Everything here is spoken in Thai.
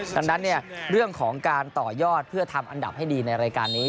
ดังนั้นเรื่องของการต่อยอดเพื่อทำอันดับให้ดีในรายการนี้